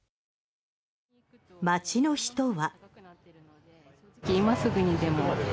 街の人は。